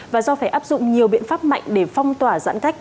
và do phải áp dụng nhiều biện pháp mạnh để phong tỏa giãn cách